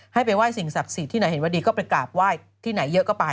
ให้ไปไหว้สิ่งศักดิ์สิทธิ์ที่ไหนเห็นว่าดีก็ไปกราบไหว้ที่ไหนเยอะก็ไป